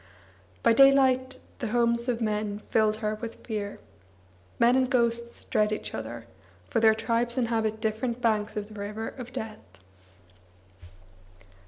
By daylight the homes of men filled her with fear. Men and ghosts dread each other, for their tribes inhabit different banks of the river of death.